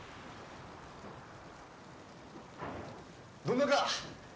どんなか？